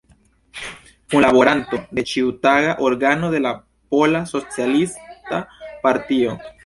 Kunlaboranto de ĉiutaga organo de la Pola Socialista Partio.